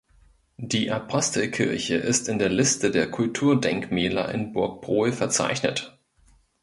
Die Apostelkirche ist in der Liste der Kulturdenkmäler in Burgbrohl verzeichnet.